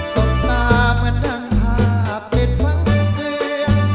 ส่งตาเหมือนดังผาปิดฟังเทียด